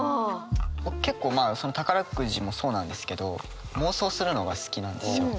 結構まあ宝くじもそうなんですけど妄想するのが好きなんですよ。